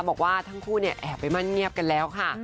บอกว่าทั้งคู่แอบไปมั่นเงียบกันแล้วค่ะ